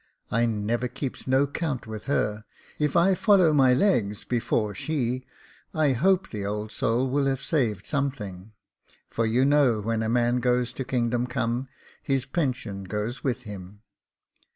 I never keeps no 'count with her. If I follow my legs before she, I hope the old soul will have saved some thing ; for you know when a man goes to kingdom come, his pension goes with him.